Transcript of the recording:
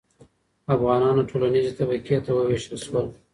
افغانان ټولنیزې طبقې ته وویشل شول.